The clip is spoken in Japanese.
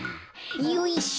よいしょ。